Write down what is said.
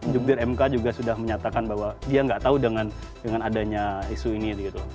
jokdir mk juga sudah menyatakan bahwa dia gak tahu dengan adanya isu ini gitu